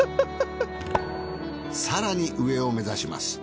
更に上を目指します。